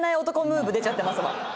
ムーブ出ちゃってますわ。